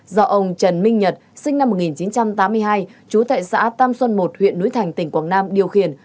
do ông trần minh nhật sinh năm một nghìn chín trăm tám mươi hai trú tại xã tam xuân một huyện núi thành tỉnh quảng nam điều khiển